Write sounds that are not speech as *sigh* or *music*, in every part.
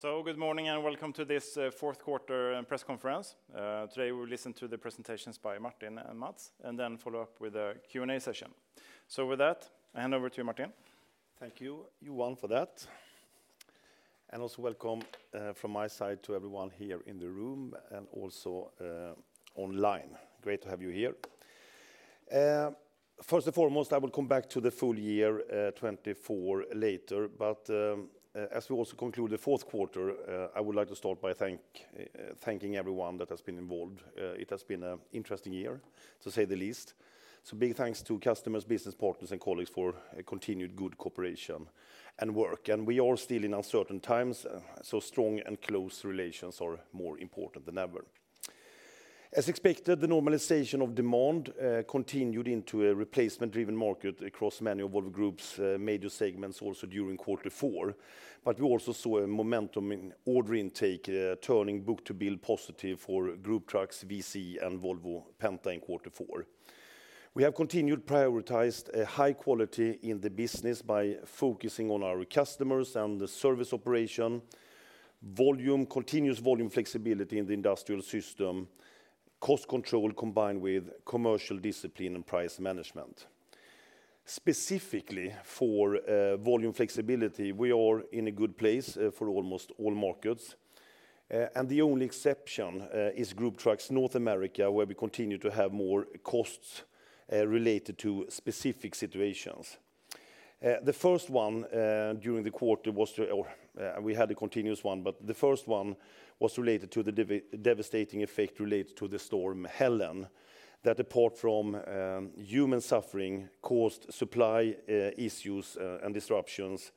So, good morning and welcome to this fourth quarter press conference. Today we'll listen to the presentations by Martin and Mats, and then follow up with a Q&A session. So, with that, I hand over to you, Martin. Thank you, Johan, for that. And also welcome from my side to everyone here in the room and also online. Great to have you here. First and foremost, I will come back to the full year 2024 later, but as we also conclude the fourth quarter, I would like to start by thanking everyone that has been involved. It has been an interesting year, to say the least. So, big thanks to customers, business partners, and colleagues for continued good cooperation and work. And we are still in uncertain times, so strong and close relations are more important than ever. As expected, the normalization of demand continued into a replacement-driven market across many of Volvo Group's major segments also during quarter four. But we also saw a momentum in order intake, turning book-to-build positive for Group Trucks, VC, and Volvo Penta in quarter four. We have continued to prioritize high quality in the business by focusing on our customers and the service operation, continuous volume flexibility in the industrial system, cost control combined with commercial discipline and price management. Specifically for volume flexibility, we are in a good place for almost all markets, and the only exception is Group Trucks North America, where we continue to have more costs related to specific situations. The first one during the quarter was, or we had a continuous one, but the first one was related to the devastating effect related to the storm Helene that, apart from human suffering, caused supply issues and disruptions,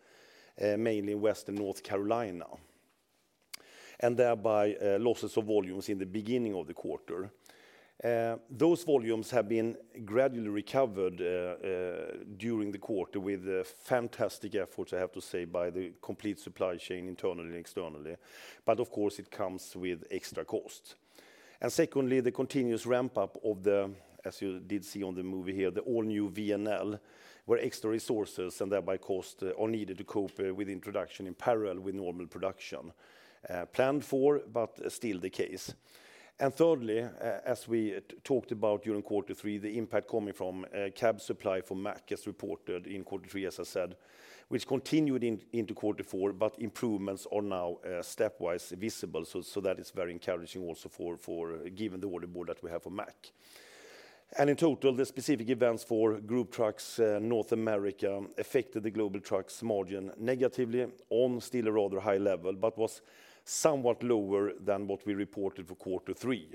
mainly in Western North Carolina, and thereby losses of volumes in the beginning of the quarter. Those volumes have been gradually recovered during the quarter with fantastic efforts, I have to say, by the complete supply chain internally and externally. But of course, it comes with extra costs. And secondly, the continuous ramp-up of the, as you did see on the movie here, the all-new VNL, where extra resources and thereby costs are needed to cope with introduction in parallel with normal production. Planned for, but still the case. And thirdly, as we talked about during quarter three, the impact coming from cab supply for Mack, as reported in quarter three, as I said, which continued into quarter four, but improvements are now stepwise visible. So that is very encouraging also for given the order board that we have for Mack. And in total, the specific events for Group Trucks North America affected the global trucks margin negatively on still a rather high level, but was somewhat lower than what we reported for quarter three.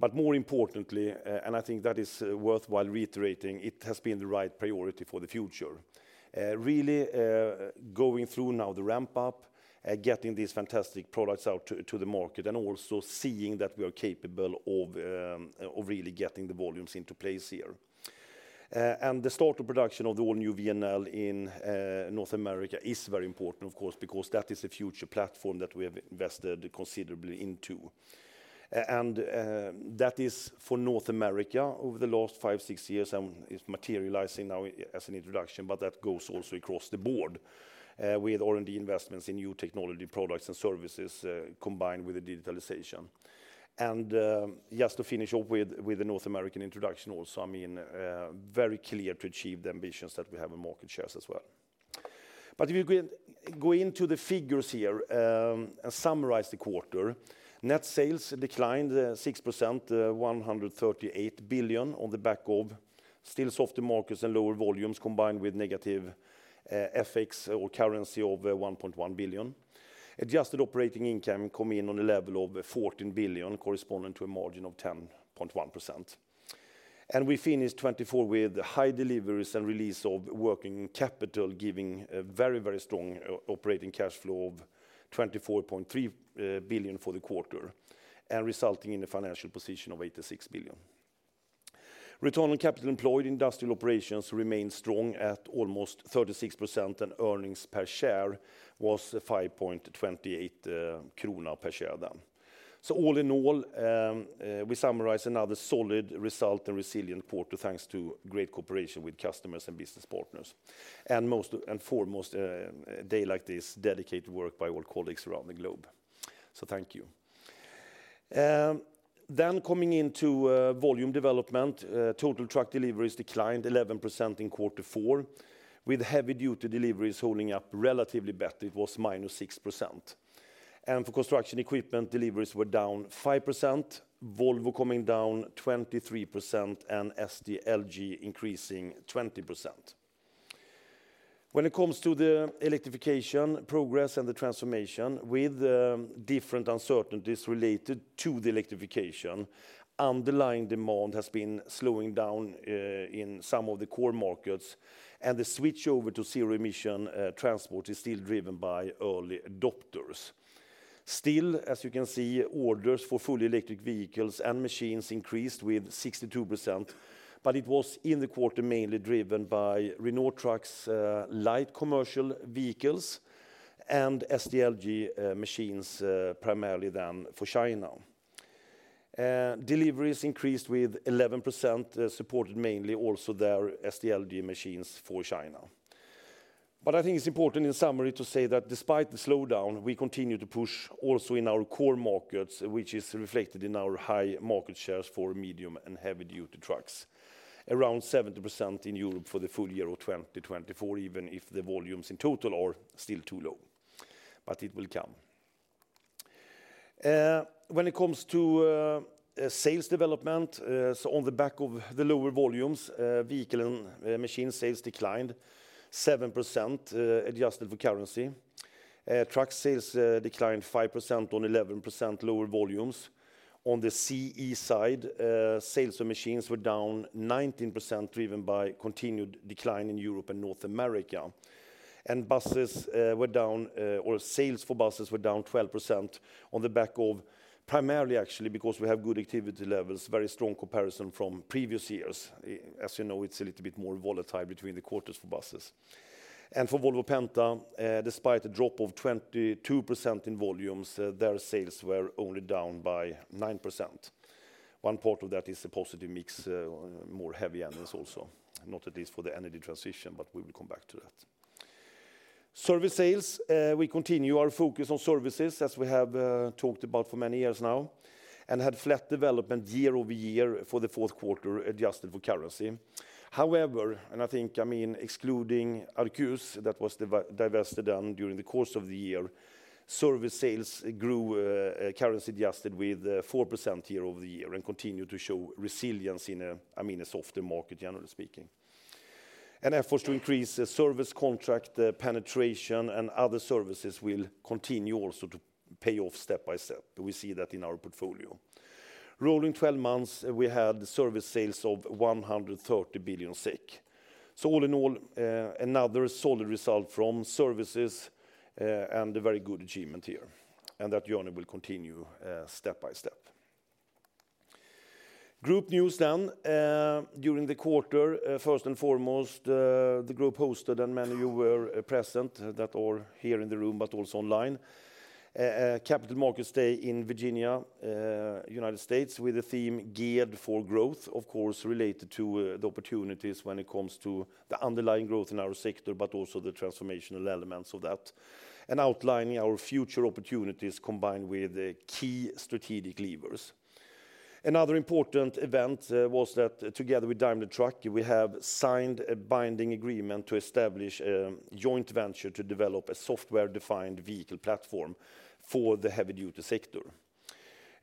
But more importantly, and I think that is worthwhile reiterating, it has been the right priority for the future. Really going through now the ramp-up, getting these fantastic products out to the market, and also seeing that we are capable of really getting the volumes into place here. And the start of production of the all-new VNL in North America is very important, of course, because that is a future platform that we have invested considerably into. And that is for North America over the last five, six years, and it's materializing now as an introduction, but that goes also across the board with R&D investments in new technology products and services combined with the digitalization. And just to finish up with the North American introduction also, I mean, very clear to achieve the ambitions that we have in market shares as well. But if you go into the figures here and summarize the quarter, net sales declined 6%, 138 billion on the back of still soft markets and lower volumes combined with negative FX or currency of 1.1 billion. Adjusted operating income came in on a level of 14 billion, corresponding to a margin of 10.1%. And we finished 2024 with high deliveries and release of working capital, giving a very, very strong operating cash flow of 24.3 billion for the quarter, and resulting in a financial position of 86 billion. Return on capital employed in industrial operations remained strong at almost 36%, and earnings per share was 5.28 kronor per share then. So all in all, we summarize another solid result and resilient quarter thanks to great cooperation with customers and business partners. And most and foremost, a day like this, dedicated work by all colleagues around the globe. So thank you. Then coming into volume development, total truck deliveries declined 11% in quarter four, with heavy-duty deliveries holding up relatively better. It was minus 6%. And for construction equipment, deliveries were down 5%, Volvo coming down 23%, and SDLG increasing 20%. When it comes to the electrification progress and the transformation, with different uncertainties related to the electrification, underlying demand has been slowing down in some of the core markets, and the switch over to zero-emission transport is still driven by early adopters. Still, as you can see, orders for fully electric vehicles and machines increased with 62%, but it was in the quarter mainly driven by Renault Trucks' light commercial vehicles and SDLG machines primarily then for China. Deliveries increased with 11%, supported mainly also their SDLG machines for China. But I think it's important in summary to say that despite the slowdown, we continue to push also in our core markets, which is reflected in our high market shares for medium and heavy-duty trucks, around 70% in Europe for the full year of 2024, even if the volumes in total are still too low, but it will come. When it comes to sales development, so on the back of the lower volumes, vehicle and machine sales declined 7%, adjusted for currency. Truck sales declined 5% on 11% lower volumes. On the CE side, sales of machines were down 19%, driven by continued decline in Europe and North America. And buses were down, or sales for buses were down 12% on the back of primarily actually because we have good activity levels, very strong comparison from previous years. As you know, it's a little bit more volatile between the quarters for buses, and for Volvo Penta, despite a drop of 22% in volumes, their sales were only down by 9%. One part of that is a positive mix, more heavy endings also, not least for the energy transition, but we will come back to that. Service sales, we continue our focus on services as we have talked about for many years now, and had flat development year over year for the fourth quarter, adjusted for currency. However, and I think I mean excluding Arquus that was divested then during the course of the year, service sales grew currency adjusted with 4% year over year and continued to show resilience in a soft market, generally speaking, and efforts to increase service contract penetration and other services will continue also to pay off step by step. We see that in our portfolio. Rolling 12 months, we had service sales of 130 billion SEK. So all in all, another solid result from services and a very good achievement here. And that journey will continue step by step. Group news then during the quarter, first and foremost, the group hosted, and many you were present that are here in the room, but also online, Capital Markets Day in Virginia, United States, with a theme geared for growth, of course, related to the opportunities when it comes to the underlying growth in our sector, but also the transformational elements of that, and outlining our future opportunities combined with key strategic levers. Another important event was that together with Daimler Truck, we have signed a binding agreement to establish a joint venture to develop a software-defined vehicle platform for the heavy-duty sector.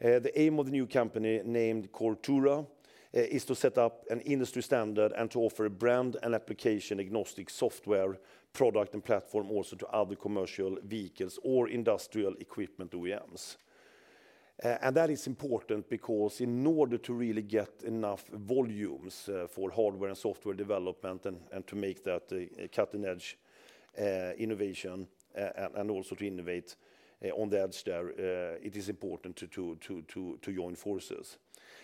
The aim of the new company named Coretura is to set up an industry standard and to offer brand and application agnostic software product and platform also to other commercial vehicles or industrial equipment OEMs. And that is important because in order to really get enough volumes for hardware and software development and to make that cutting-edge innovation and also to innovate on the edge there, it is important to join forces.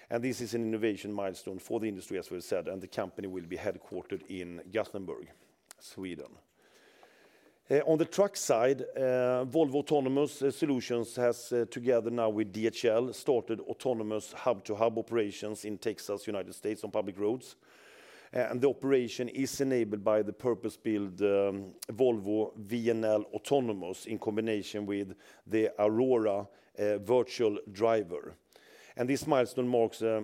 And this is an innovation milestone for the industry, as we said, and the company will be headquartered in Gothenburg, Sweden. On the truck side, Volvo Autonomous Solutions has together now with DHL started autonomous hub-to-hub operations in Texas, United States, on public roads. And the operation is enabled by the purpose-built Volvo VNL Autonomous in combination with the Aurora Virtual Driver. This milestone marks a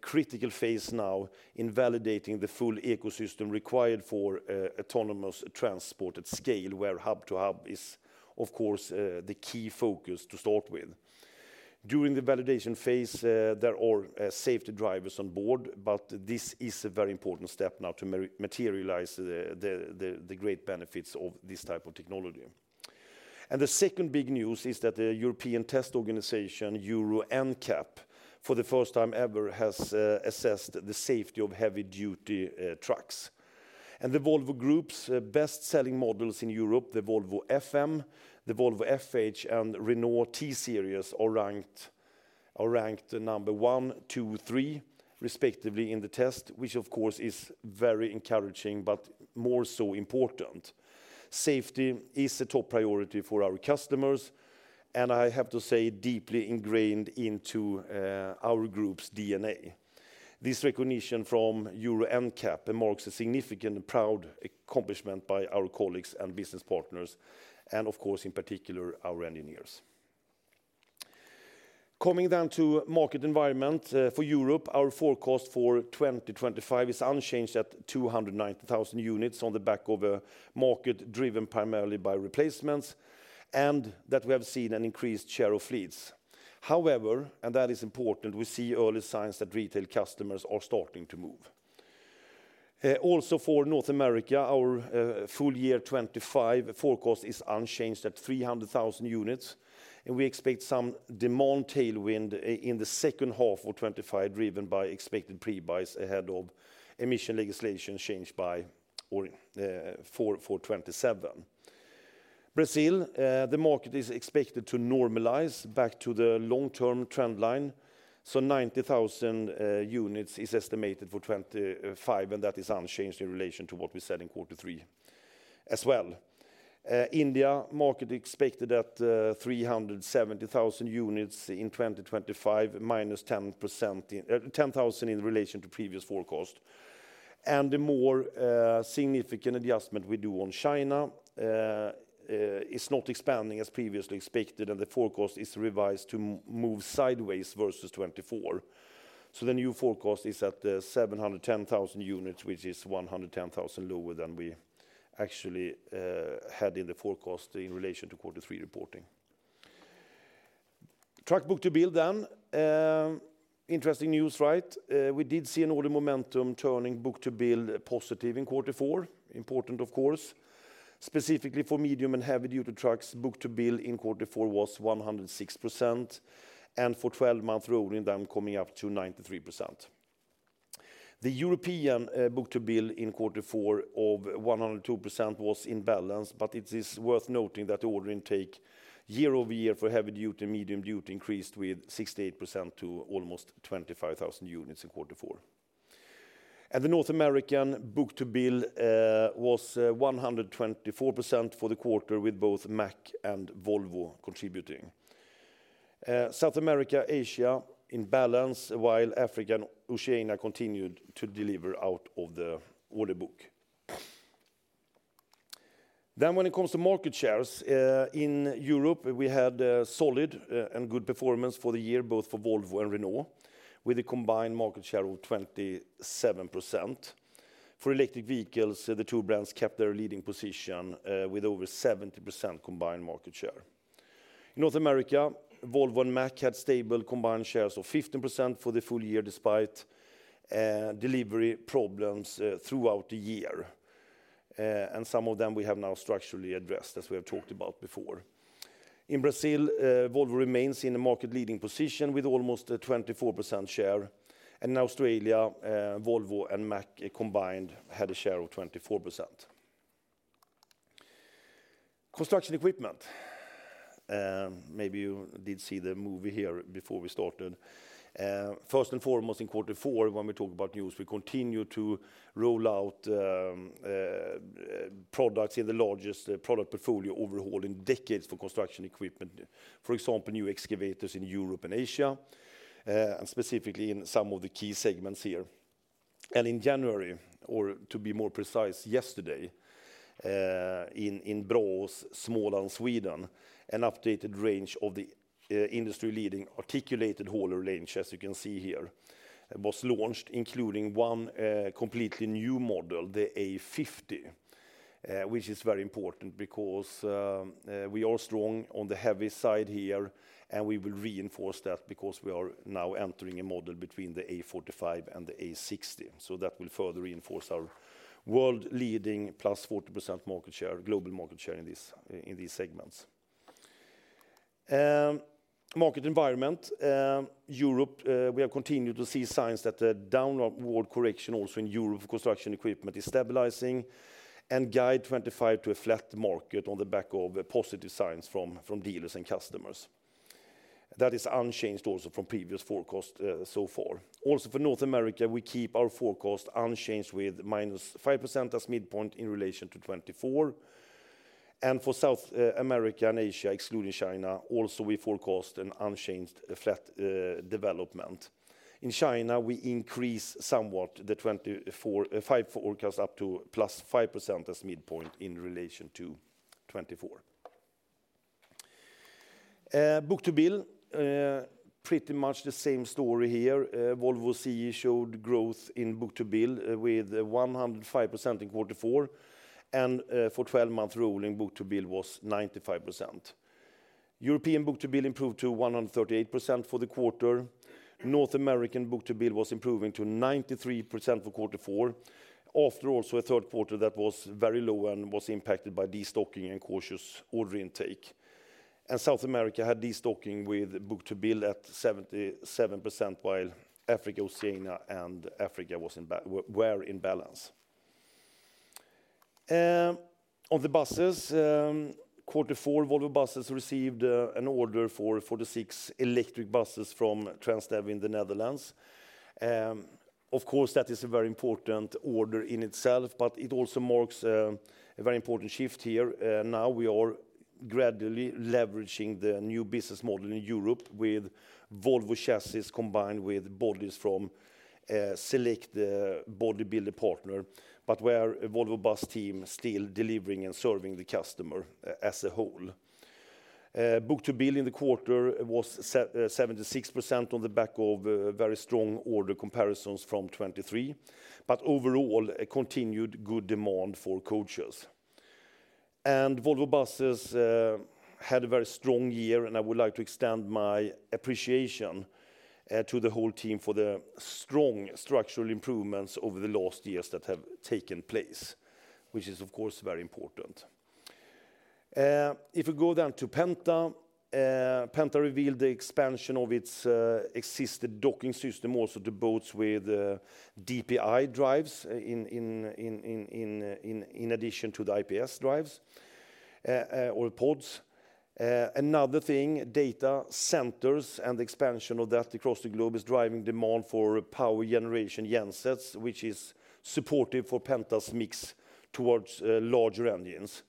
critical phase now in validating the full ecosystem required for autonomous transport at scale, where hub-to-hub is, of course, the key focus to start with. During the validation phase, there are safety drivers on board, but this is a very important step now to materialize the great benefits of this type of technology. The second big news is that the European test organization, Euro NCAP, for the first time ever has assessed the safety of heavy-duty trucks. The Volvo Group's best-selling models in Europe, the Volvo FM, the Volvo FH, and Renault T-Series, are ranked number one, two, three, respectively in the test, which of course is very encouraging, but more so important. Safety is a top priority for our customers, and I have to say deeply ingrained into our group's DNA. This recognition from Euro NCAP marks a significant and proud accomplishment by our colleagues and business partners, and of course, in particular, our engineers. Coming then to market environment for Europe, our forecast for 2025 is unchanged at 290,000 units on the back of a market driven primarily by replacements, and that we have seen an increased share of fleets. However, and that is important, we see early signs that retail customers are starting to move. Also for North America, our full year 2025 forecast is unchanged at 300,000 units, and we expect some demand tailwind in the second half of 2025, driven by expected prebuys ahead of emission legislation changed by 2027. Brazil, the market is expected to normalize back to the long-term trend line, so 90,000 units is estimated for 2025, and that is unchanged in relation to what we said in quarter three as well. India market expected at 370,000 units in 2025, -10,000 in relation to previous forecast, and the more significant adjustment we do on China is not expanding as previously expected, and the forecast is revised to move sideways versus 2024, so the new forecast is at 710,000 units, which is 110,000 lower than we actually had in the forecast in relation to quarter three reporting. Truck book-to-build then. Interesting news, right? We did see an order momentum turning book-to-build positive in quarter four. Important, of course. Specifically for medium and heavy-duty trucks, book-to-build in quarter four was 106%, and for 12-month rolling then, coming up to 93%. The European book-to-build in quarter four of 102% was in balance, but it is worth noting that the order intake year over year for heavy-duty and medium-duty increased with 68% to almost 25,000 units in quarter four, and the North American book-to-build was 124% for the quarter, with both Mack and Volvo contributing. South America, Asia in balance, while Africa and Oceania continued to deliver out of the order book, then when it comes to market shares in Europe, we had solid and good performance for the year, both for Volvo and Renault, with a combined market share of 27%. For electric vehicles, the two brands kept their leading position with over 70% combined market share. In North America, Volvo and Mack had stable combined shares of 15% for the full year despite delivery problems throughout the year. Some of them we have now structurally addressed, as we have talked about before. In Brazil, Volvo remains in a market-leading position with almost a 24% share. In Australia, Volvo and Mack combined had a share of 24%. Construction equipment. Maybe you did see the movie here before we started. First and foremost, in quarter four, when we talk about news, we continue to roll out products in the largest product portfolio overhaul in decades for construction equipment, for example, new excavators in Europe and Asia, and specifically in some of the key segments here. In January, or to be more precise, yesterday, in Braås, Småland, Sweden, an updated range of the industry-leading articulated hauler range, as you can see here, was launched, including one completely new model, the A50, which is very important because we are strong on the heavy side here, and we will reinforce that because we are now entering a model between the A45 and the A60. That will further reinforce our world-leading plus 40% market share, global market share in these segments. Market environment, Europe, we have continued to see signs that the downward correction also in Europe for construction equipment is stabilizing and guide 2025 to a flat market on the back of positive signs from dealers and customers. That is unchanged also from previous forecast so far. Also for North America, we keep our forecast unchanged with minus five% as midpoint in relation to 2024. For South America and Asia, excluding China, also we forecast an unchanged flat development. In China, we increase somewhat the 2024-2025 forecast up to +5% as midpoint in relation to 2024. Book-to-build, pretty much the same story here. Volvo CE showed growth in book-to-build with 105% in quarter four, and for 12-month rolling, book-to-build was 95%. European book-to-build improved to 138% for the quarter. North American book-to-build was improving to 93% for quarter four, after also a third quarter that was very low and was impacted by destocking and cautious order intake. South America had destocking with book-to-build at 77%, while Africa, Oceania, and Asia were in balance. On the buses, quarter four, Volvo Buses received an order for 46 electric buses from Transdev in the Netherlands. Of course, that is a very important order in itself, but it also marks a very important shift here. Now we are gradually leveraging the new business model in Europe with Volvo chassis combined with bodies from select bodybuilder partners, but where Volvo bus team is still delivering and serving the customer as a whole. Book-to-build in the quarter was 76% on the back of very strong order comparisons from 2023, but overall continued good demand for coaches, and Volvo Buses had a very strong year, and I would like to extend my appreciation to the whole team for the strong structural improvements over the last years that have taken place, which is of course very important. If we go then to Penta, Penta revealed the expansion of its existing docking system also to boats with DPI drives in addition to the IPS drives or pods. Another thing, data centers and the expansion of that across the globe is driving demand for power generation gensets, which is supportive for Penta's mix towards larger engines,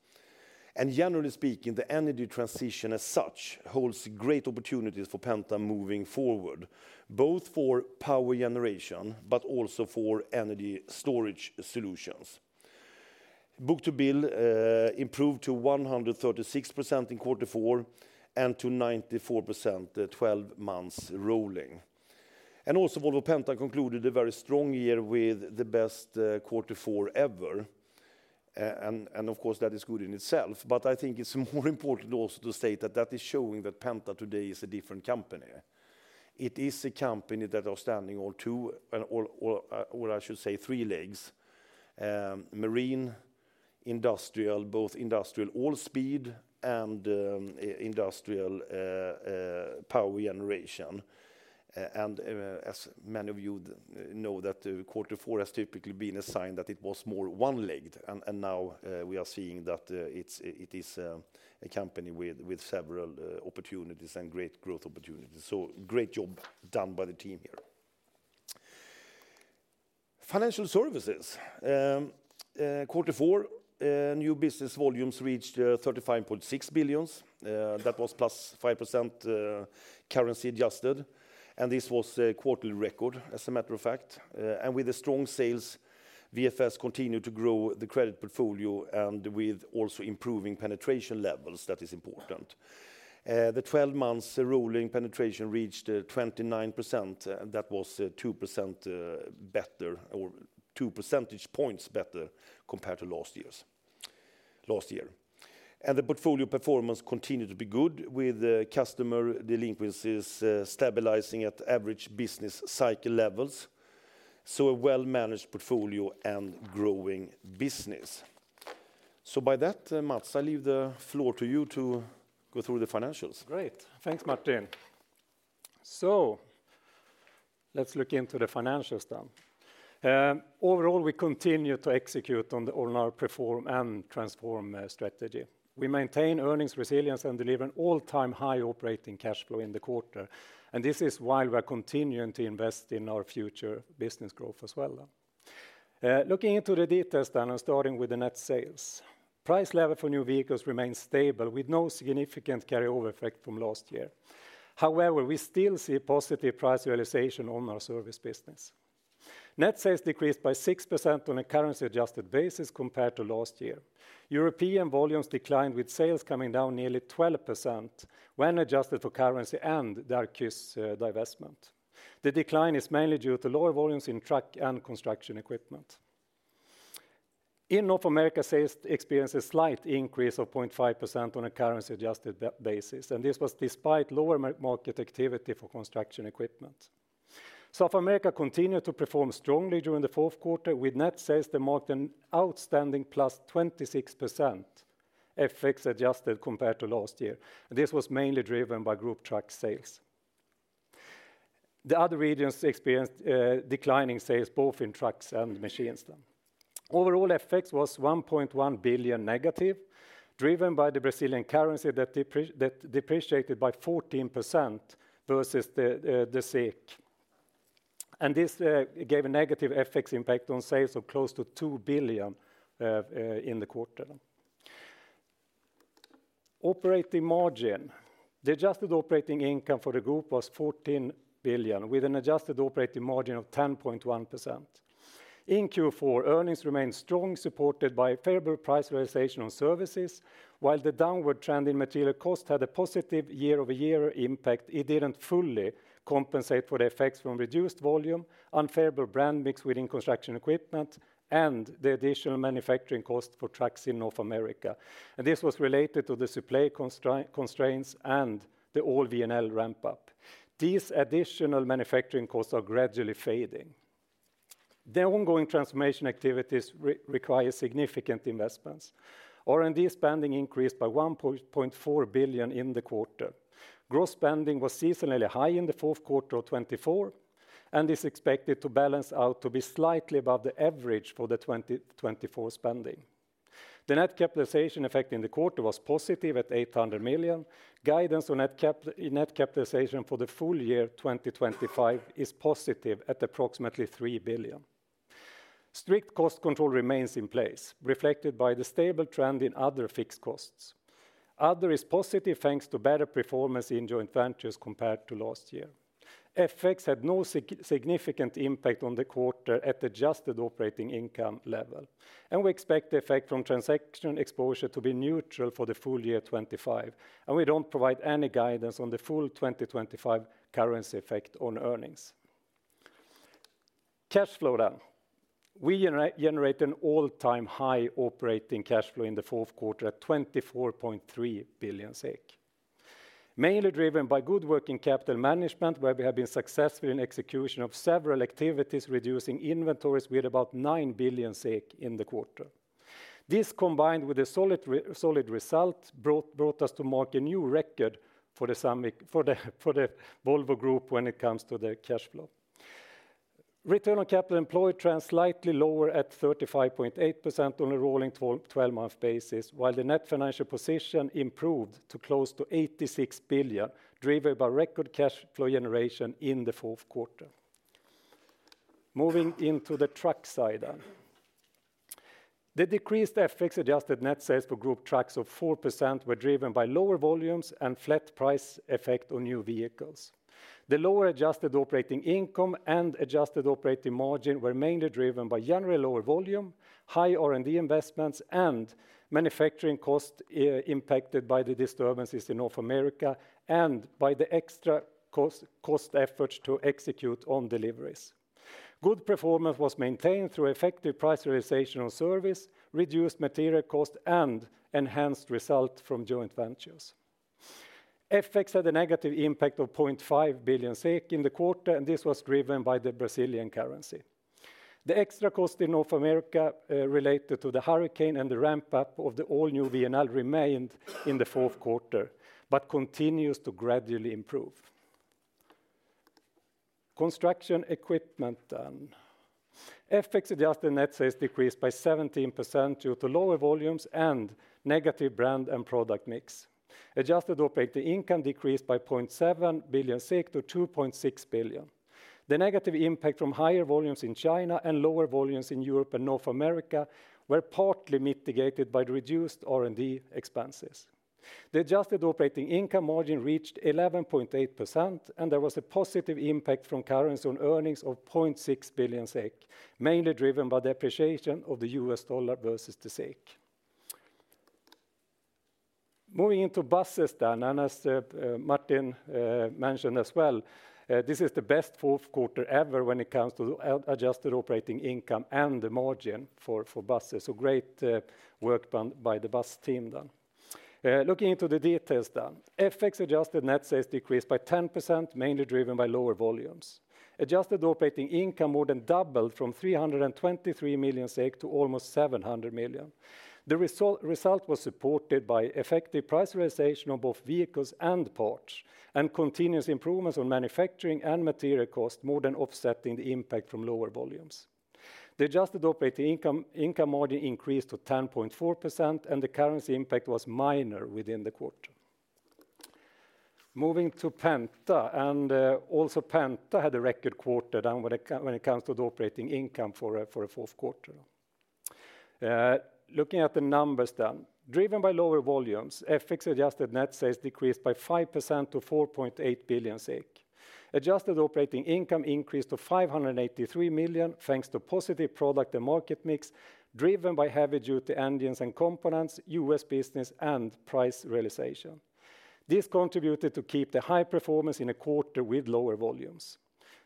and generally speaking, the energy transition as such holds great opportunities for Penta moving forward, both for power generation, but also for energy storage solutions. Book-to-build improved to 136% in quarter four and to 94% 12 months rolling, and also Volvo Penta concluded a very strong year with the best quarter four ever, and of course, that is good in itself, but I think it's more important also to state that that is showing that Penta today is a different company. It is a company that are standing on two, or I should say three legs, marine, industrial, both industrial all speed and industrial power generation. As many of you know, that quarter four has typically been a sign that it was more one-legged, and now we are seeing that it is a company with several opportunities and great growth opportunities. Great job done by the team here. Financial services, quarter four, new business volumes reached 35.6 billion. That was +5% currency adjusted, and this was a quarterly record, as a matter of fact. With the strong sales, VFS continued to grow the credit portfolio, and with also improving penetration levels, that is important. The 12-month rolling penetration reached 29%, and that was 2% better or 2 percentage points better compared to last year. The portfolio performance continued to be good, with customer delinquencies stabilizing at average business cycle levels. A well-managed portfolio and growing business. By that, Mats, I leave the floor to you to go through the financials. Great. Thanks, Martin. So let's look into the financials then. Overall, we continue to execute on our perform and transform strategy. We maintain earnings resilience and deliver an all-time high operating cash flow in the quarter. And this is while we are continuing to invest in our future business growth as well. Looking into the details then and starting with the net sales, price level for new vehicles remains stable with no significant carryover effect from last year. However, we still see positive price realization on our service business. Net sales decreased by 6% on a currency-adjusted basis compared to last year. European volumes declined with sales coming down nearly 12% when adjusted for currency and their divestment. The decline is mainly due to lower volumes in truck and construction equipment. In North America, sales experienced a slight increase of 0.5% on a currency-adjusted basis, and this was despite lower market activity for construction equipment. South America continued to perform strongly during the fourth quarter with net sales demanding an outstanding +26% FX adjusted compared to last year. This was mainly driven by group truck sales. The other regions experienced declining sales, both in trucks and machines then. Overall, FX was 1.1 billion negative, driven by the Brazilian currency that depreciated by 14% versus the SEK, and this gave a negative FX impact on sales of close to 2 billion in the quarter. Operating margin, the adjusted operating income for the group was 14 billion with an adjusted operating margin of 10.1%. In Q4, earnings remained strongly supported by favorable price realization on services, while the downward trend in material cost had a positive year-over-year impact. It didn't fully compensate for the effects from reduced volume, unfavorable brand mix within construction equipment, and the additional manufacturing cost for trucks in North America, and this was related to the supply constraints and the all-VNL ramp-up. These additional manufacturing costs are gradually fading. The ongoing transformation activities require significant investments. R&D spending increased by 1.4 billion in the quarter. Gross spending was seasonally high in the fourth quarter of 2024 and is expected to balance out to be slightly above the average for the 2024 spending. The net capitalization effect in the quarter was positive at 800 million. Guidance on net capitalization for the full year 2025 is positive at approximately 3 billion. Strict cost control remains in place, reflected by the stable trend in other fixed costs. Other is positive thanks to better performance in joint ventures compared to last year. FX had no significant impact on the quarter at adjusted operating income level. We expect the effect from transaction exposure to be neutral for the full year 2025. We don't provide any guidance on the full 2025 currency effect on earnings. Cash flow then. We generate an all-time high operating cash flow in the fourth quarter at 24.3 billion SEK, mainly driven by good working capital management, where we have been successful in execution of several activities, reducing inventories with about nine billion SEK in the quarter. This, combined with a solid result, brought us to mark a new record for the Volvo Group when it comes to the cash flow. Return on capital employed trends slightly lower at 35.8% on a rolling 12-month basis, while the net financial position improved to close to 86 billion, driven by record cash flow generation in the fourth quarter. Moving into the truck side then. The decreased FX adjusted net sales for group trucks of 4% were driven by lower volumes and flat price effect on new vehicles. The lower adjusted operating income and adjusted operating margin were mainly driven by generally lower volume, high R&D investments, and manufacturing costs impacted by the disturbances in North America and by the extra cost efforts to execute on deliveries. Good performance was maintained through effective price realization on service, reduced material cost, and enhanced result from joint ventures. FX had a negative impact of 0.5 billion SEK in the quarter, and this was driven by the Brazilian currency. The extra cost in North America related to the hurricane and the ramp-up of the all-new VNL remained in the fourth quarter, but continues to gradually improve. Construction equipment then. FX adjusted net sales decreased by 17% due to lower volumes and negative brand and product mix. Adjusted operating income decreased by 0.7 billion SEK to 2.6 billion. The negative impact from higher volumes in China and lower volumes in Europe and North America were partly mitigated by the reduced R&D expenses. The adjusted operating income margin reached 11.8%, and there was a positive impact from currency on earnings of 0.6 billion SEK, mainly driven by depreciation of the U.S. dollar versus the SEK. Moving into buses then, and as Martin mentioned as well, this is the best fourth quarter ever when it comes to the adjusted operating income and the margin for buses. So great work done by the bus team then. Looking into the details then, FX adjusted net sales decreased by 10%, mainly driven by lower volumes. Adjusted operating income more than doubled from 323 million SEK to almost 700 million SEK. The result was supported by effective price realization on both vehicles and parts, and continuous improvements on manufacturing and material cost more than offsetting the impact from lower volumes. The adjusted operating income margin increased to 10.4%, and the currency impact was minor within the quarter. Moving to Penta, and also Penta had a record quarter then when it comes to the operating income for the fourth quarter. Looking at the numbers then, driven by lower volumes, FX adjusted net sales decreased by 5% to 4.8 billion SEK. Adjusted operating income increased to 583 million SEK thanks to positive product and market mix driven by heavy-duty engines and components, US business, and price realization. This contributed to keep the high performance in a quarter with lower volumes.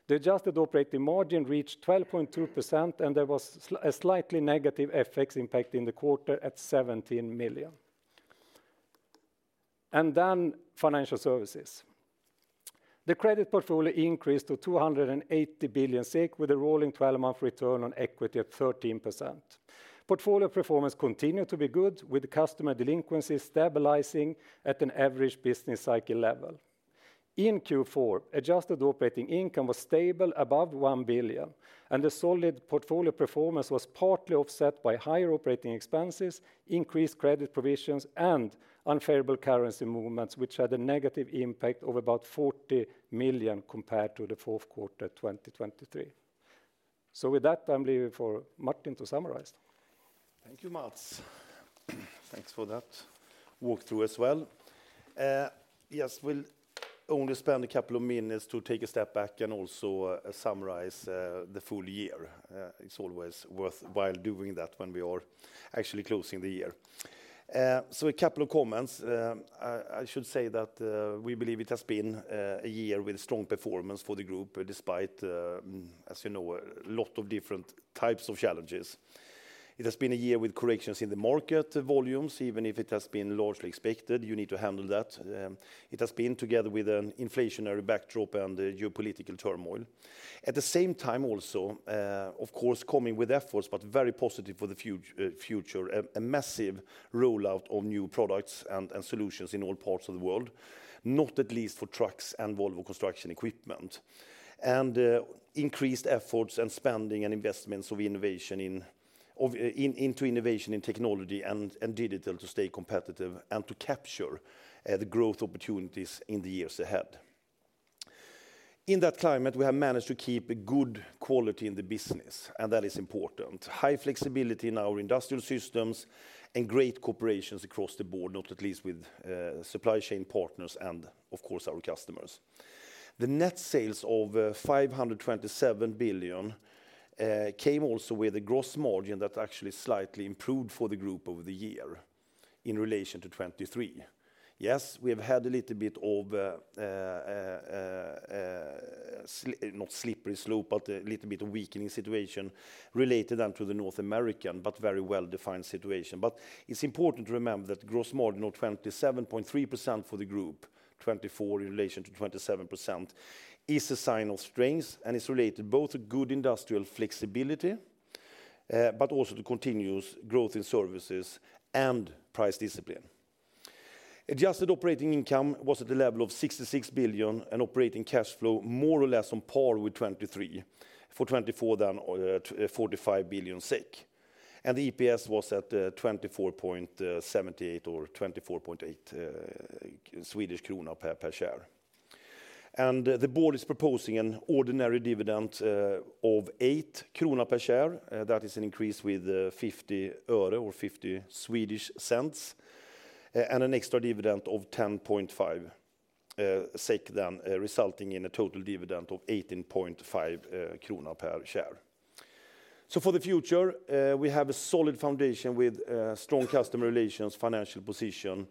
The adjusted operating margin reached 12.2%, and there was a slightly negative FX impact in the quarter at 17 million. Then financial services. The credit portfolio increased to 280 billion SEK with a rolling 12-month return on equity at 13%. Portfolio performance continued to be good, with customer delinquencies stabilizing at an average business cycle level. In Q4, adjusted operating income was stable above 1 billion, and the solid portfolio performance was partly offset by higher operating expenses, increased credit provisions, and unfavorable currency movements, which had a negative impact of about 40 million compared to the fourth quarter 2023. With that, I'm leaving for Martin to summarize. Thank you, Mats. Thanks for that walkthrough as well. Yes, we'll only spend a couple of minutes to take a step back and also summarize the full year. It's always worthwhile doing that when we are actually closing the year. A couple of comments. I should say that we believe it has been a year with strong performance for the group, despite, as you know, a lot of different types of challenges. It has been a year with corrections in the market volumes, even if it has been largely expected, you need to handle that. It has been together with an inflationary backdrop and geopolitical turmoil. At the same time, also, of course, coming with efforts, but very positive for the future, a massive rollout of new products and solutions in all parts of the world, not least for trucks and Volvo Construction Equipment, and increased efforts and spending and investments of innovation into innovation in technology and digital to stay competitive and to capture the growth opportunities in the years ahead. In that climate, we have managed to keep a good quality in the business, and that is important. High flexibility in our industrial systems and great cooperations across the board, not at least with supply chain partners and, of course, our customers. The net sales of 527 billion came also with a gross margin that actually slightly improved for the group over the year in relation to 2023. Yes, we have had a little bit of a not slippery slope, but a little bit of weakening situation related then to the North American, but very well-defined situation. But it's important to remember that gross margin of 27.3% for the group, 2024 in relation to 27%, is a sign of strength and is related both to good industrial flexibility, but also to continuous growth in services and price discipline. Adjusted operating income was at the level of 66 billion SEK and operating cash flow more or less on par with 2023 for 2024 at 45 billion SEK. The EPS was at 24.78 or 24.8 Swedish krona per share. The board is proposing an ordinary dividend of 8 krona per share. That is an increase with 50 öre or 50 Swedish cents and an extra dividend of 10.5 SEK then resulting in a total dividend of 18.5 krona per share. For the future, we have a solid foundation with strong customer relations, financial position,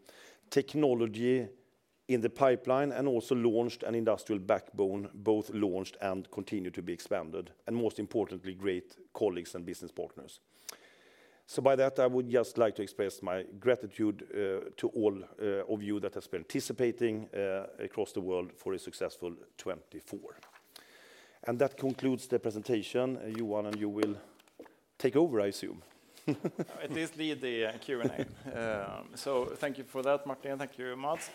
technology in the pipeline, and also launched an industrial backbone, both launched and continue to be expanded, and most importantly, great colleagues and business partners. By that, I would just like to express my gratitude to all of you that have been participating across the world for a successful 2024. That concludes the presentation. Johan, you will take over, I assume. At least lead the Q&A. Thank you for that, Martin. Thank you, Mats.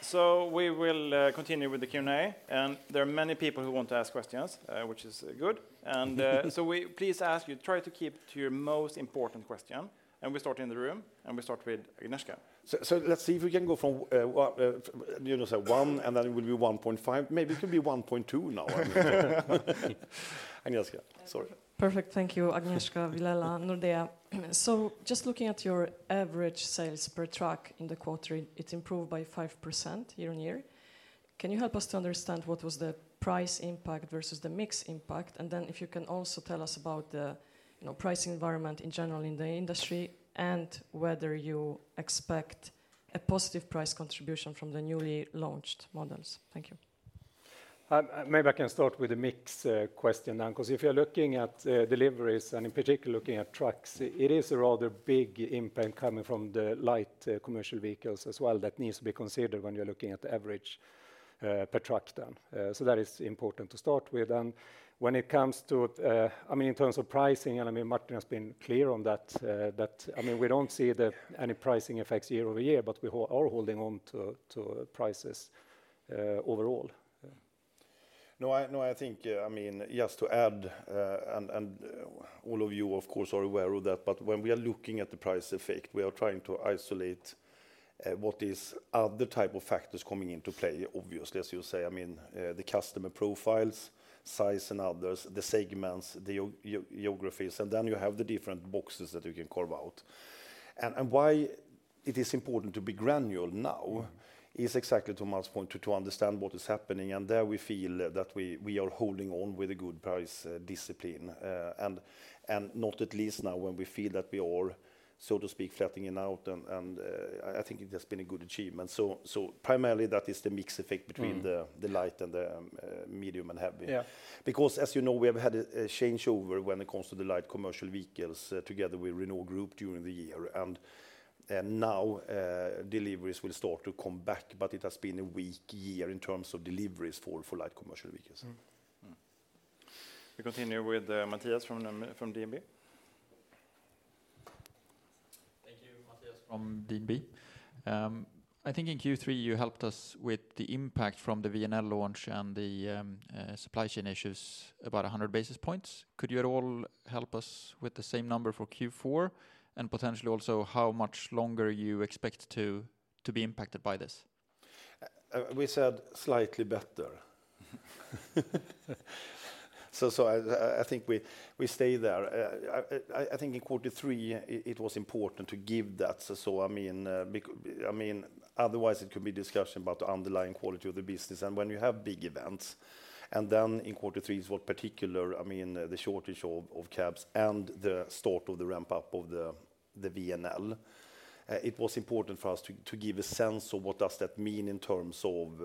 We will continue with the Q&A, and there are many people who want to ask questions, which is good. We please ask you, try to keep to your most important question, and we start in the room, and we start with Agnieszka. Let's see if we can go from, you know, say one, and then it will be 1.5. Maybe it could be 1.2 now. Agnieszka, sorry. Perfect. Thank you, Agnieszka Vilela, Nordea. Just looking at your average sales per truck in the quarter, it's improved by 5% year on year. Can you help us to understand what was the price impact versus the mix impact? And then if you can also tell us about the, you know, pricing environment in general in the industry and whether you expect a positive price contribution from the newly launched models. Thank you. Maybe I can start with a mix question then, because if you're looking at deliveries and in particular looking at trucks, it is a rather big impact coming from the light commercial vehicles as well that needs to be considered when you're looking at the average per truck then. So that is important to start with. And when it comes to, I mean, in terms of pricing, and I mean, Martin has been clear on that, that I mean, we don't see any pricing effects year over year, but we are holding on to prices overall. No, I think, I mean, yes to add, and all of you, of course, are aware of that, but when we are looking at the price effect, we are trying to isolate what is other type of factors coming into play, obviously, as you say, I mean, the customer profiles, size and others, the segments, the geographies, and then you have the different boxes that you can carve out, and why it is important to be granular now is exactly to Mats's point, to understand what is happening, and there we feel that we are holding on with a good price discipline, and not least now when we feel that we are, so to speak, flattening out, and I think it has been a good achievement, so primarily that is the mix effect between the light and the medium and heavy. Because, as you know, we have had a changeover when it comes to the light commercial vehicles together with Renault Group during the year, and now deliveries will start to come back, but it has been a weak year in terms of deliveries for light commercial vehicles. We continue with Mattias from DNB. Mattias from DNB. I think in Q3 you helped us with the impact from the VNL launch and the supply chain issues about 100 basis points. Could you at all help us with the same number for Q4 and potentially also how much longer you expect to be impacted by this? We said slightly better. So I think we stay there. I think in Q3 it was important to give that. So I mean, otherwise it could be discussion about the underlying quality of the business and when you have big events. And then in Q4 2023 is what particular, I mean, the shortage of cabs and the start of the ramp-up of the VNL. It was important for us to give a sense of what does that mean in terms of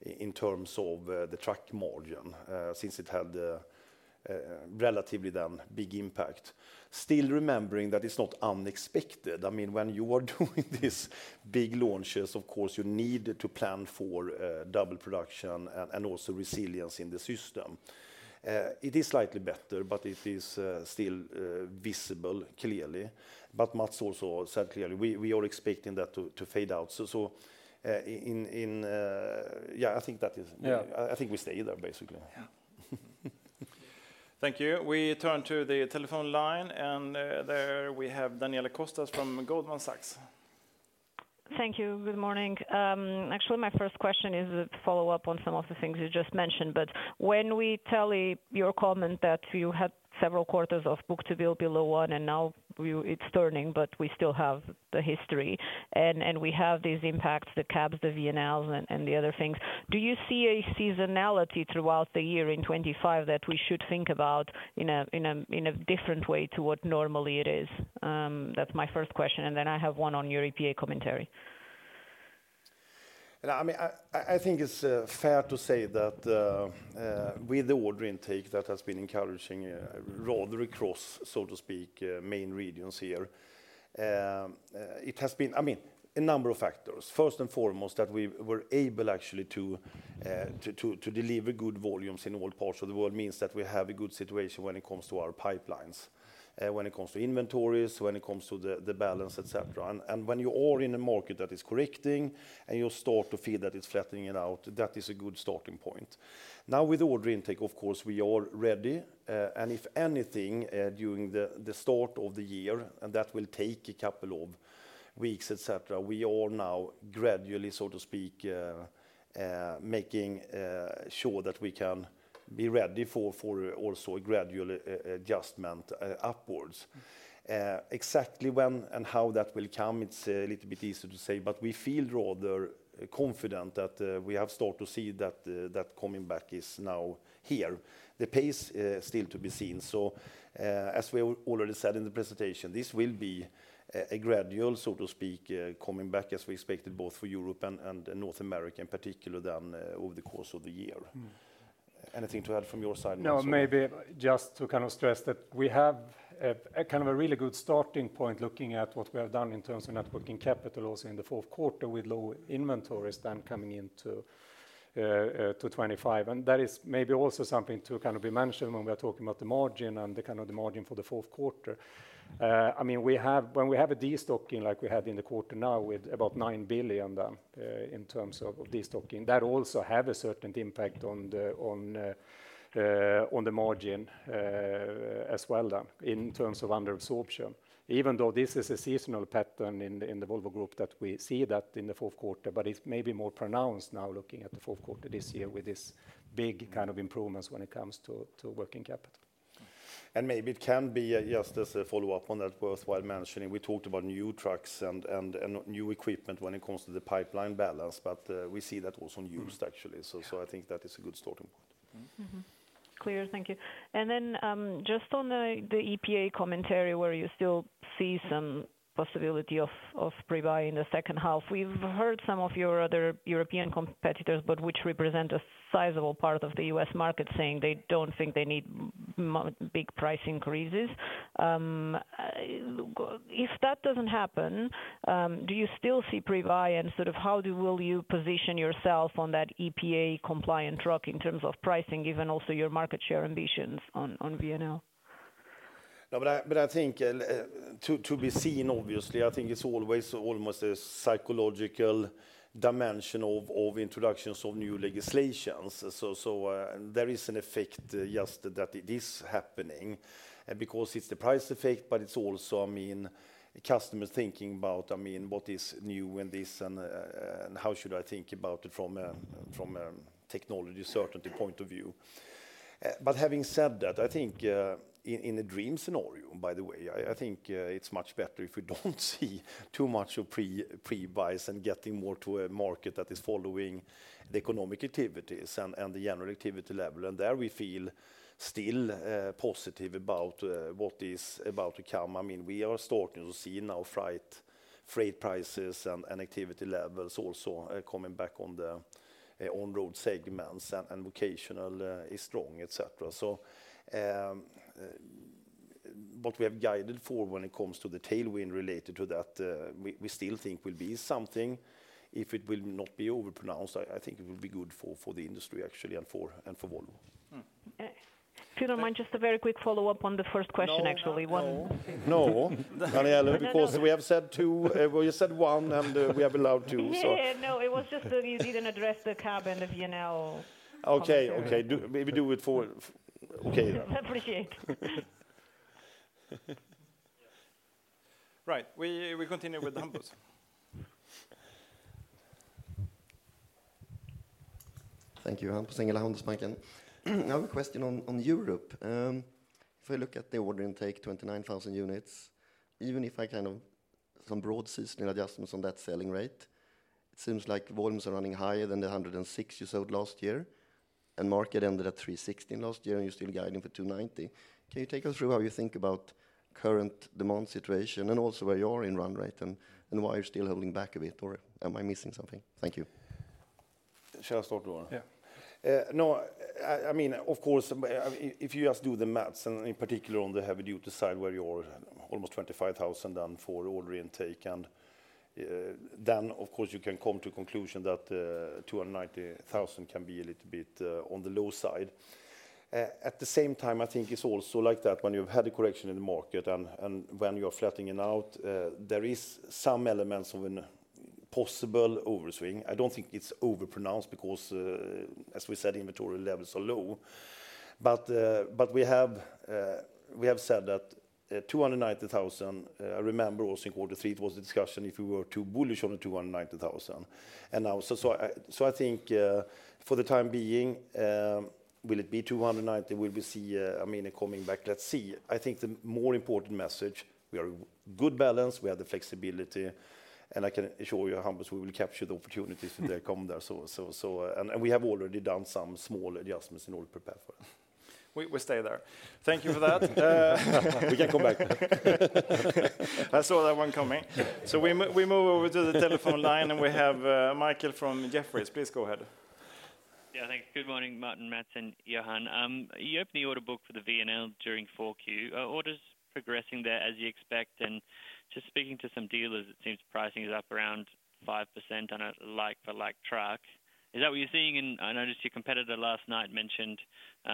the truck margin since it had relatively then big impact. Still remembering that it's not unexpected. I mean, when you are doing these big launches, of course, you need to plan for double production and also resilience in the system. It is slightly better, but it is still visible clearly. But Mats also said clearly, we are expecting that to fade out. So yeah, I think that is, I think we stay there basically. Thank you. We turn to the telephone line, and there we have Daniela Costa from Goldman Sachs. Thank you. Good morning. Actually, my first question is a follow-up on some of the things you just mentioned, but given your comment that you had several quarters of book-to-build below one and now it's turning, but we still have the history and we have these impacts, the cabs, the VNLs and the other things. Do you see a seasonality throughout the year in 2025 that we should think about in a different way to what normally it is? That's my first question, and then I have one on your EPA commentary. I mean, I think it's fair to say that with the order intake that has been encouraging rather across, so to speak, main regions here, it has been, I mean, a number of factors. First and foremost, that we were able actually to deliver good volumes in all parts of the world means that we have a good situation when it comes to our pipelines, when it comes to inventories, when it comes to the balance, etc., and when you are in a market that is correcting and you start to feel that it's flattening out, that is a good starting point. Now with order intake, of course, we are ready, and if anything, during the start of the year, and that will take a couple of weeks, etc., we are now gradually, so to speak, making sure that we can be ready for also a gradual adjustment upwards. Exactly when and how that will come, it's a little bit easier to say, but we feel rather confident that we have started to see that coming back is now here. The pace is still to be seen. So as we already said in the presentation, this will be a gradual, so to speak, coming back as we expected both for Europe and North America in particular then over the course of the year. Anything to add from your side? No, maybe just to kind of stress that we have kind of a really good starting point looking at what we have done in terms of net working capital also in the fourth quarter with low inventories then coming into 2025. That is maybe also something to kind of be mentioned when we are talking about the margin and the kind of the margin for the fourth quarter. I mean, when we have a destocking like we had in the quarter now with about nine billion SEK then in terms of destocking, that also has a certain impact on the margin as well then in terms of under absorption, even though this is a seasonal pattern in the Volvo Group that we see that in the fourth quarter, but it's maybe more pronounced now looking at the fourth quarter this year with this big kind of improvements when it comes to working capital. And maybe it can be just as a follow-up on that worthwhile mentioning. We talked about new trucks and new equipment when it comes to the pipeline balance, but we see that also on used actually. So I think that is a good starting point. Clear, thank you. And then, just on the EPA commentary where you still see some possibility of pre-buy in the second half, we've heard some of your other European competitors, but which represent a sizable part of the U.S. market saying they don't think they need big price increases. If that doesn't happen, do you still see pre-buy and sort of how will you position yourself on that EPA compliant truck in terms of pricing, given also your market share ambitions on VNL? No, but I think it remains to be seen, obviously. I think it's always almost a psychological dimension of introductions of new legislation. So there is an effect just that it is happening because it's the price effect, but it's also, I mean, customers thinking about, I mean, what is new in this and how should I think about it from a technology certainty point of view. But having said that, I think in a dream scenario, by the way, I think it's much better if we don't see too much of pre-buys and getting more to a market that is following the economic activities and the general activity level. And there we feel still positive about what is about to come. I mean, we are starting to see now freight prices and activity levels also coming back on the on-road segments and vocational is strong, etc. So what we have guided for when it comes to the tailwind related to that, we still think will be something. If it will not be overpronounced, I think it will be good for the industry actually and for Volvo. Just a very quick follow-up on the first question actually. No. Daniela, because we have said two, we said one and we have allowed two. No, it was just that you didn't address the cab and the VNL. Okay, okay. Maybe do it for. Okay. Appreciate it. Right. We continue with Hampus. Thank you, Hampus Engellau. I have a question on Europe. If I look at the order intake, 29,000 units, even if I kind of some broad seasonal adjustments on that selling rate, it seems like volumes are running higher than the 106 you sold last year and market ended at 360 last year and you're still guiding for 290. Can you take us through how you think about current demand situation and also where you are in run rate and why you're still holding back a bit or am I missing something? Thank you. Shall I start with one? Yeah. No, I mean, of course, if you just do the math and in particular on the heavy duty side where you are almost 25,000 then for order intake and then of course you can come to a conclusion that 290,000 can be a little bit on the low side. At the same time, I think it's also like that when you've had a correction in the market and when you are flattening out, there is some elements of a possible overswing. I don't think it's overpronounced because as we said, inventory levels are low. We have said that 290,000. I remember also in quarter three, it was a discussion if we were too bullish on the 290,000. Now, so I think for the time being, will it be 290? Will we see, I mean, it coming back? Let's see. I think the more important message, we are in good balance, we have the flexibility, and I can assure you, Hampus, we will capture the opportunities if they come there. And we have already done some small adjustments in order to prepare for it. We stay there. Thank you for that. We can come back. I saw that one coming. So we move over to the telephone line and we have Michael from Jefferies. Please go ahead. Yeah, thanks. Good morning, Martin, Mats, and Johan. You opened the order book for the VNL during 4Q. Orders progressing there as you expect. And just speaking to some dealers, it seems pricing is up around 5% on a like-for-like truck. Is that what you're seeing? And I noticed your competitor last night mentioned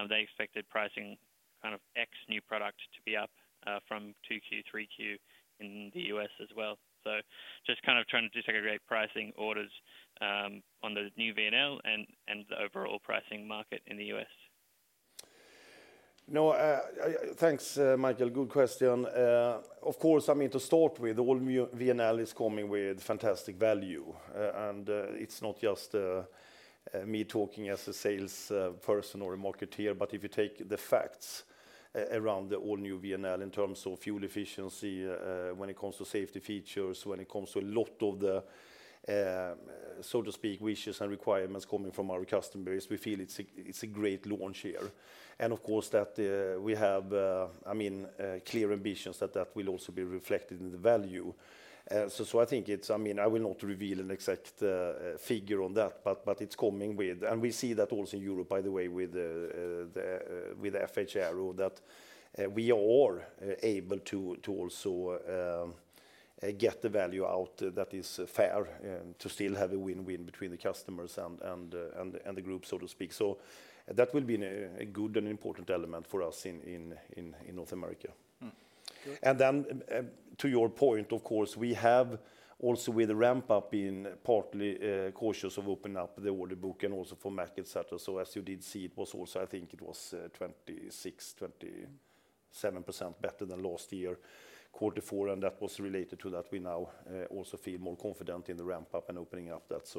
they expected pricing on new product to be up from 2Q, 3Q in the U.S. as well. So just kind of trying to disaggregate pricing orders on the new VNL and the overall pricing market in the U.S. No, thanks, Michael. Good question. Of course, I mean, to start with, the all-new VNL is coming with fantastic value. And it's not just me talking as a salesperson or a marketer, but if you take the facts around the all-new VNL in terms of fuel efficiency, when it comes to safety features, when it comes to a lot of the, so to speak, wishes and requirements coming from our customers, we feel it's a great launch here. And of course, that we have, I mean, clear ambitions that that will also be reflected in the value. I think it's, I mean, I will not reveal an exact figure on that, but it's coming with, and we see that also in Europe, by the way, with the FH Aero that we are able to also get the value out that is fair to still have a win-win between the customers and the group, so to speak. That will be a good and important element for us in North America. Then to your point, of course, we have also with the ramp-up in partly cautious of opening up the order book and also for Mack, etc. As you did see, it was also, I think it was 26%-27% better than last year, quarter four, and that was related to that we now also feel more confident in the ramp-up and opening up that.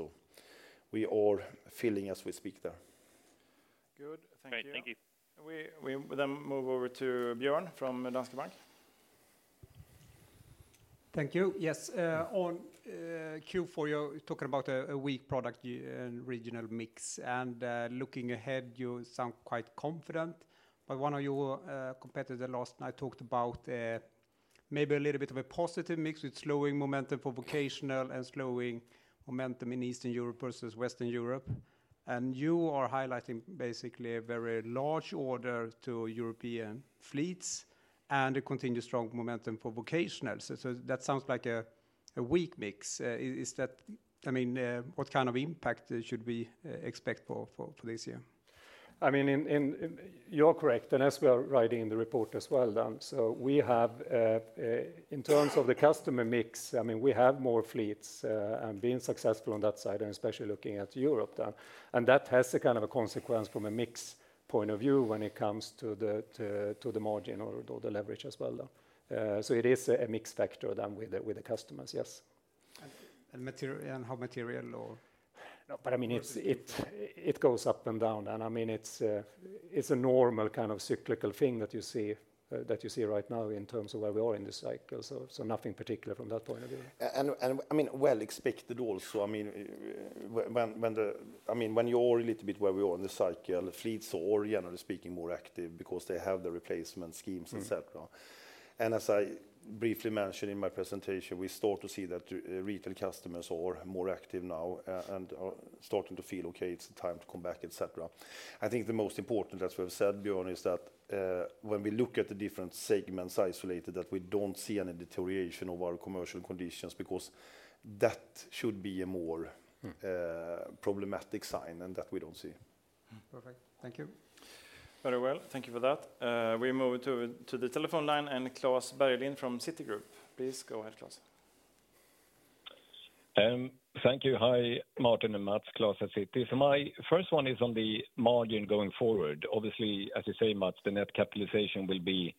We are filling as we speak there. Good. Thank you. Thank you. We then move over to Björn from Danske Bank. Thank you. Yes. On Q4, you're talking about a weak product and regional mix, and looking ahead, you sound quite confident, but one of your competitors last night talked about maybe a little bit of a positive mix with slowing momentum for vocational and slowing momentum in Eastern Europe versus Western Europe. You are highlighting basically a very large order to European fleets and a continued strong momentum for vocational, so that sounds like a weak mix. Is that, I mean, what kind of impact should we expect for this year? I mean, you're correct, and as we are writing in the report as well, then, so we have, in terms of the customer mix, I mean, we have more fleets and been successful on that side, and especially looking at Europe then. That has a kind of a consequence from a mix point of view when it comes to the margin or the leverage as well. So it is a mixed factor then with the customers, yes. And how material or? No, but I mean, it goes up and down then. I mean, it's a normal kind of cyclical thing that you see right now in terms of where we are in the cycle. So nothing particular from that point of view. And I mean, well expected also. I mean, when you're a little bit where we are in the cycle, fleets are generally speaking more active because they have the replacement schemes, etc. And as I briefly mentioned in my presentation, we start to see that retail customers are more active now and are starting to feel, okay, it's time to come back, etc. I think the most important that we have said, Björn, is that when we look at the different segments isolated, that we don't see any deterioration of our commercial conditions because that should be a more problematic sign than that we don't see. Perfect. Thank you. Very well. Thank you for that. We move to the telephone line and Klas Bergelind from Citigroup. Please go ahead, Klas. Thank you. Hi, Martin and Mats, Klas at Citi. So my first one is on the margin going forward. Obviously, as you say, Mats, the net capitalization will be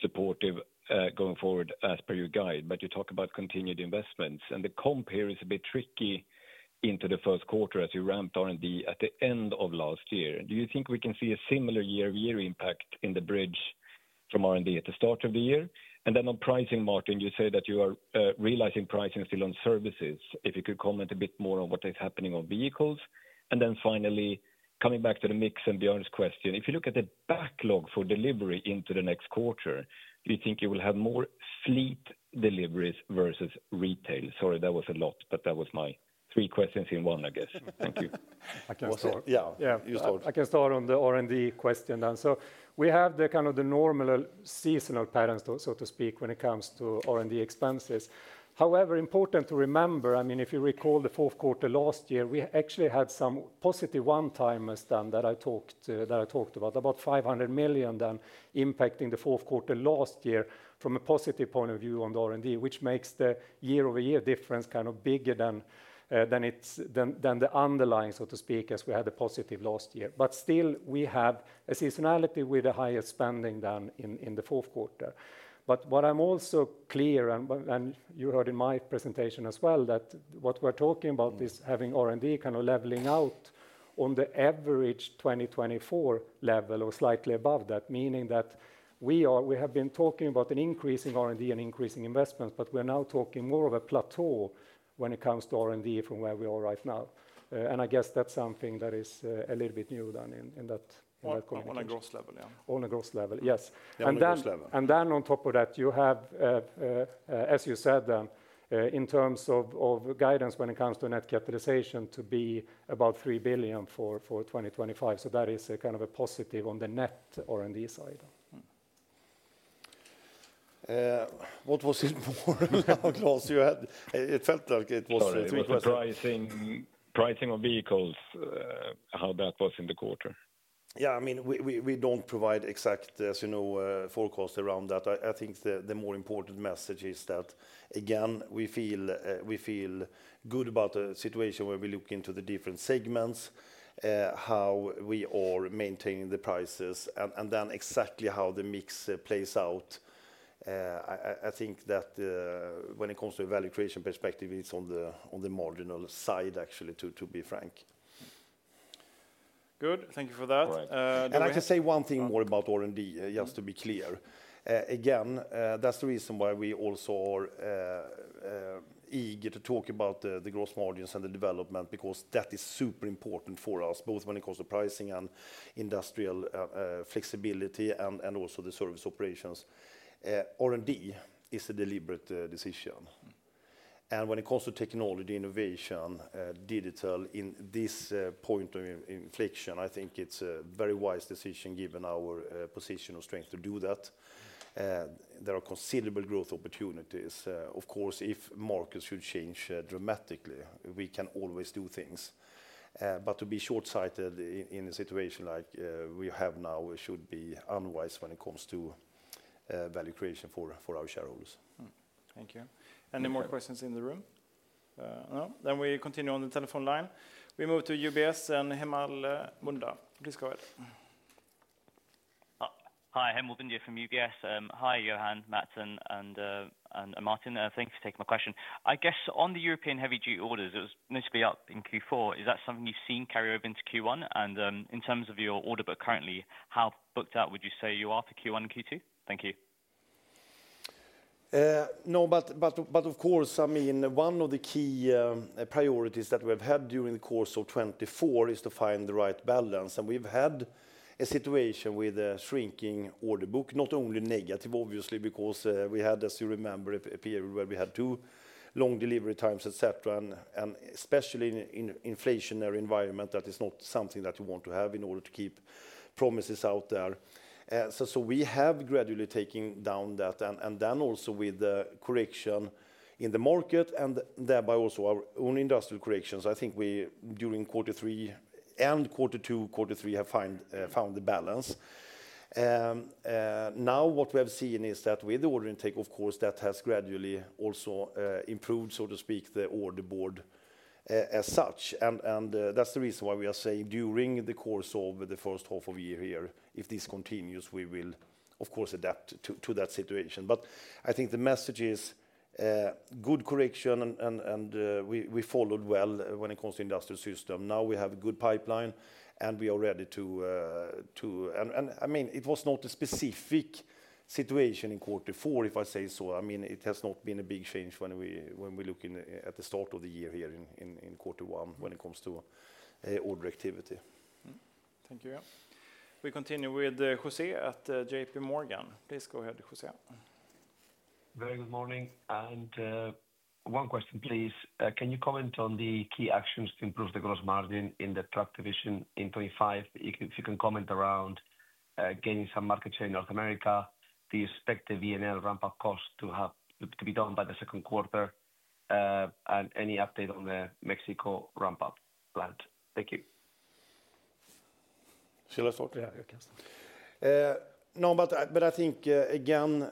supportive going forward as per your guide, but you talk about continued investments, and the comp here is a bit tricky into the first quarter as you ramped R&D at the end of last year. Do you think we can see a similar year-to-year impact in the bridge from R&D at the start of the year? And then on pricing, Martin, you say that you are realizing pricing still on services. If you could comment a bit more on what is happening on vehicles. And then finally, coming back to the mix and Björn's question, if you look at the backlog for delivery into the next quarter, do you think you will have more fleet deliveries versus retail? Sorry, that was a lot, but that was my three questions in one, I guess. Thank you. I can start. Yeah, you start. I can start on the R&D question then. So we have the kind of the normal seasonal patterns, so to speak, when it comes to R&D expenses. However, important to remember, I mean, if you recall the fourth quarter last year, we actually had some positive one-timers then that I talked about, about 500 million then impacting the fourth quarter last year from a positive point of view on the R&D, which makes the year-over-year difference kind of bigger than the underlying, so to speak, as we had a positive last year. But still, we have a seasonality with the highest spending then in the fourth quarter. But what I'm also clear, and you heard in my presentation as well, that what we're talking about is having R&D kind of leveling out on the average 2024 level or slightly above that, meaning that we have been talking about an increasing R&D and increasing investments, but we're now talking more of a plateau when it comes to R&D from where we are right now. I guess that's something that is a little bit new then in that combination. On a gross level, yeah. On a gross level, yes *crosstalk* Then on top of that, you have, as you said then, in terms of guidance when it comes to net capitalization to be about 3 billion SEK for 2025. So that is a kind of a positive on the net R&D side. What was it more, Klas, you had? It felt like it was a tricky question. Pricing on vehicles, how that was in the quarter. Yeah, I mean, we don't provide exact, as you know, forecasts around that. I think the more important message is that, again, we feel good about the situation where we look into the different segments, how we are maintaining the prices, and then exactly how the mix plays out. I think that when it comes to a value creation perspective, it's on the marginal side, actually, to be frank. Good. Thank you for that I'd like to say one thing more about R&D, just to be clear. Again, that's the reason why we also are eager to talk about the gross margins and the development because that is super important for us, both when it comes to pricing and industrial flexibility and also the service operations. R&D is a deliberate decision. And when it comes to technology innovation, digital in this point of inflection, I think it's a very wise decision given our position of strength to do that. There are considerable growth opportunities. Of course, if markets should change dramatically, we can always do things. But to be short-sighted in a situation like we have now should be unwise when it comes to value creation for our shareholders. Thank you. Any more questions in the room? No? Then we continue on the telephone line. We move to UBS and Hemal Bhundia. Please go ahead. Hi, Hemal Bhundia from UBS. Hi, Johan, Matt, and Martin. Thank you for taking my question. I guess on the European heavy-duty orders, it was supposed to be up in Q4. Is that something you've seen carry over into Q1? And in terms of your order book currently, how booked out would you say you are for Q1 and Q2? Thank you. No, but of course, I mean, one of the key priorities that we have had during the course of 2024 is to find the right balance. We've had a situation with a shrinking order book, not only negative, obviously, because we had, as you remember, a period where we had two long delivery times, etc., and especially in an inflationary environment that is not something that you want to have in order to keep promises out there. So we have gradually taken down that and then also with the correction in the market and thereby also our own industrial corrections. I think we during quarter three and quarter two, quarter three have found the balance. Now what we have seen is that with the order intake, of course, that has gradually also improved, so to speak, the order board as such. That's the reason why we are saying during the course of the first half of the year here, if this continues, we will, of course, adapt to that situation. But I think the message is good correction and we followed well when it comes to the industrial system. Now we have a good pipeline and we are ready to, and I mean, it was not a specific situation in quarter four, if I say so. I mean, it has not been a big change when we look at the start of the year here in quarter one when it comes to order activity. Thank you. We continue with José at J.P. Morgan. Please go ahead, José. Very good morning. And one question, please. Can you comment on the key actions to improve the gross margin in the truck division in 2025? If you can comment around getting some market share in North America, do you expect the VNL ramp-up cost to be done by the second quarter? And any update on the Mexico ramp-up plan? Thank you. No, but I think, again,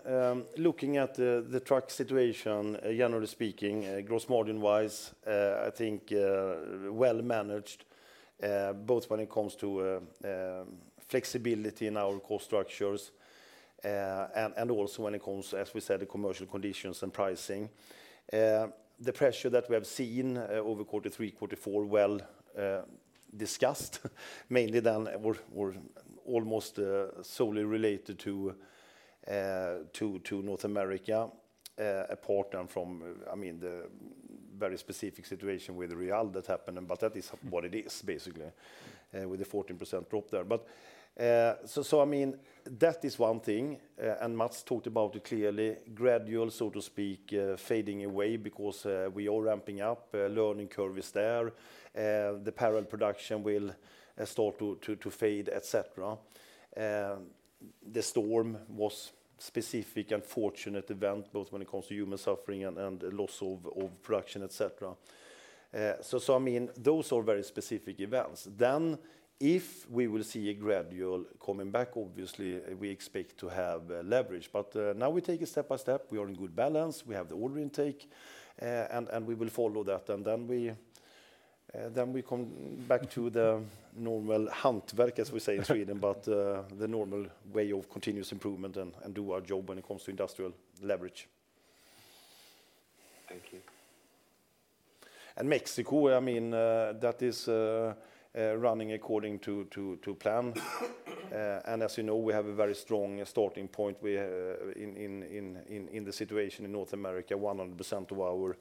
looking at the truck situation, generally speaking, gross margin-wise, I think well managed, both when it comes to flexibility in our cost structures and also when it comes, as we said, to commercial conditions and pricing. The pressure that we have seen over quarter three, quarter four, well discussed, mainly then almost solely related to North America, apart from, I mean, the very specific situation with ramp-up that happened, but that is what it is, basically, with the 14% drop there, but so I mean, that is one thing, and Mats talked about it clearly, gradually, so to speak, fading away because we are ramping up, learning curve is there, the parallel production will start to fade, etc. The storm was a specific and unfortunate event, both when it comes to human suffering and loss of production, etc. I mean, those are very specific events. Then if we will see a gradual coming back, obviously, we expect to have leverage. But now we take it step by step, we are in good balance, we have the order intake, and we will follow that. And then we come back to the normal hantverk, as we say in Sweden, but the normal way of continuous improvement and do our job when it comes to industrial leverage. Thank you. And Mexico, I mean, that is running according to plan. And as you know, we have a very strong starting point in the situation in North America. 100% of our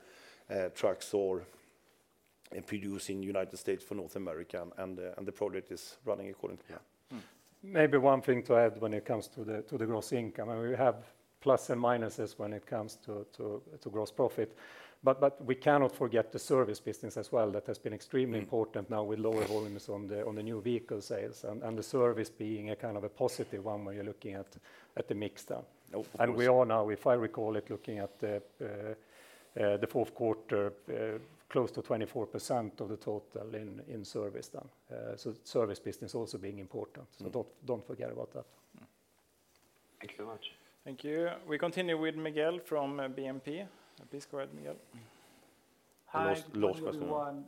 trucks are produced in the United States for North America, and the project is running according to plan. Maybe one thing to add when it comes to the gross income. We have plus and minuses when it comes to gross profit. But we cannot forget the service business as well that has been extremely important now with lower volumes on the new vehicle sales. And the service being a kind of a positive one when you're looking at the mix then. And we are now, if I recall it, looking at the fourth quarter, close to 24% of the total in service then. So service business also being important. So don't forget about that. Thank you very much. Thank you. We continue with Miguel from BNP. Please go ahead, Miguel. Hi, everyone.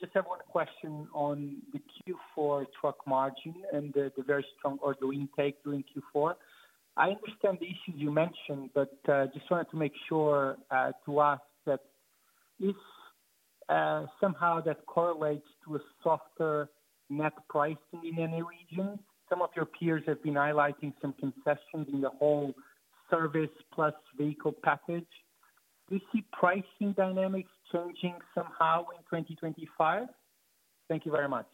Just have one question on the Q4 truck margin and the very strong order intake during Q4. I understand the issues you mentioned, but just wanted to make sure to ask that if somehow that correlates to a softer net pricing in any region. Some of your peers have been highlighting some concessions in the whole service plus vehicle package. Do you see pricing dynamics changing somehow in 2025? Thank you very much.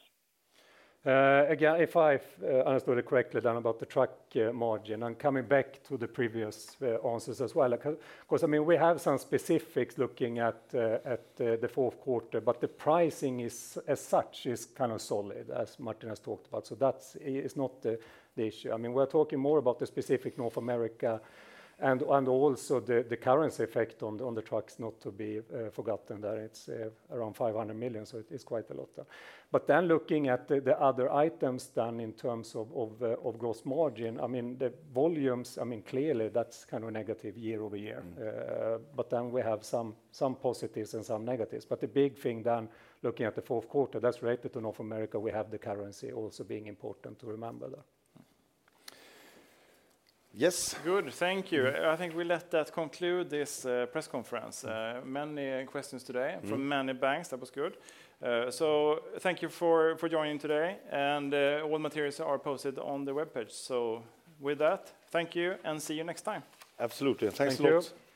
Again, if I understood it correctly then about the truck margin, I'm coming back to the previous answers as well. Of course, I mean, we have some specifics looking at the fourth quarter, but the pricing as such is kind of solid, as Martin has talked about. So that is not the issue. I mean, we're talking more about the specific North America and also the currency effect on the trucks not to be forgotten there. It's around 500 million, so it's quite a lot. But then looking at the other items then in terms of gross margin, I mean, the volumes, I mean, clearly that's kind of a negative year over year. But then we have some positives and some negatives. But the big thing, then looking at the fourth quarter, that's related to North America. We have the currency also being important to remember there. Yes. Good. Thank you. I think we let that conclude this press conference. Many questions today from many banks. That was good. So thank you for joining today and all materials are posted on the web page, so with that, thank you and see you next time. Absolutely. Thanks a lot.